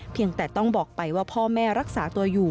เพียงแต่ต้องบอกไปว่าพ่อแม่รักษาตัวอยู่